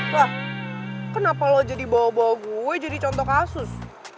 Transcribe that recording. wah kenapa lo jadi bawa bawa gue jadi contoh kasus